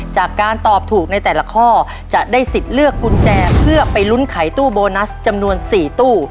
จากการตอบถูกในแต่ละข้อจะได้สิทธิ์เลือกกุญแจเพื่อไปลุ้นไขตู้โบนัสจำนวน๔ตู้